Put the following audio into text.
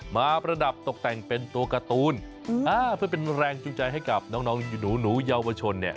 มาประดับตกแต่งเป็นตัวการ์ตูนอ้าวด้วยเป็นแรงจูงใจให้กับน้องน้องหนูหนูยาววชนเนี่ย